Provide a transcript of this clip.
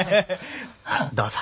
どうぞ。